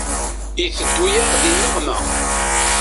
Iteddu-yaɣ di nneqma.